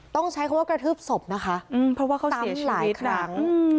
ต้องใช้คำว่ากระทืบศพนะคะเพราะว่าเขาซ้ำหลายครั้ง